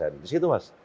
di situ mas